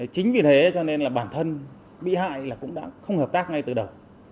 chính vì thế cho nên là bản thân bị hại cũng đã không hợp tác ngay từ đầu